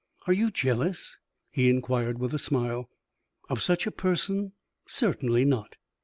"Are you jealous?" he inquired, with a smile. "Of such a person? Certainly not."